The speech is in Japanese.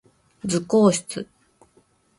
図工室